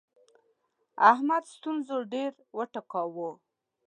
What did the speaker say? احمد ستونزو ډېر وټکاوو.